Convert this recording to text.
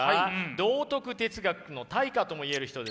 道徳哲学の大家とも言える人ですね。